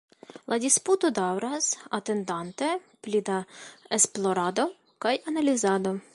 La disputo daŭras, atendante pli da esplorado kaj analizado.